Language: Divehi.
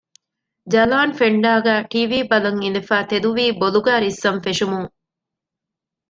ޖަލާން ފެންޑާގައި ޓީވީ ބަލަން އިނދެފައި ތެދުވީ ބޮލުގައި ރިއްސަން ފެށުމުން